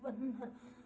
kalian pasti sudah lapar